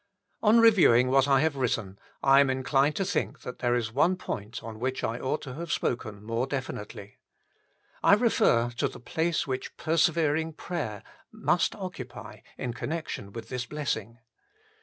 On reviewing what I have written, I am inclined to think that there is one point on which I ought to have spoken more definitely. I refer to the place which persevering prayer must occupy in connection with this blessing.